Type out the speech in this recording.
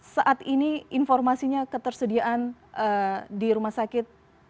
saat ini informasinya ketersediaan di rumah sakit